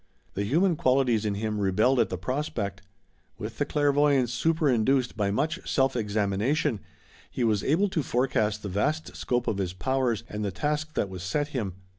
The human qualities in him rebelled at the prospect. With the clairvoyance superinduced by much self examination, he was able to forecast the vast scope of his powers, and the task that was set him.